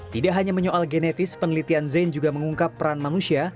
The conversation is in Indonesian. tidak hanya menyoal genetis penelitian zain juga mengungkap peran manusia